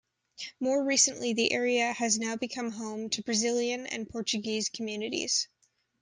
More recently the area has now become home to Brazilian and Portuguese communities.